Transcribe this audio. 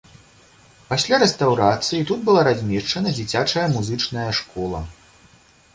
Пасля рэстаўрацыі тут была размешчана дзіцячая музычная школа.